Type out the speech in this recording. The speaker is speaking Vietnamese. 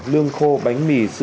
lương khô bánh mì sữa